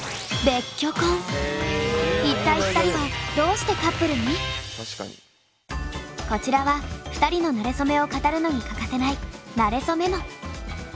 一体２人はこちらは２人のなれそめを語るのに欠かせない「なれそメモ」。